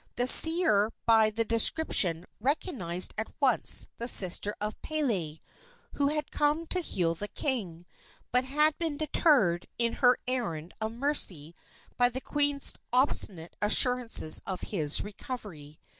The seer by the description recognized at once the sister of Pele, who had come to heal the king, but had been deterred in her errand of mercy by the queen's obstinate assurances of his recovery.